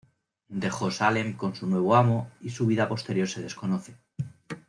Dejó Salem con su nuevo amo y su vida posterior se desconoce.